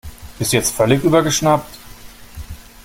Bist du jetzt völlig übergeschnappt?